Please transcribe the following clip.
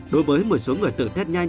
đối với một số người tự thét nhanh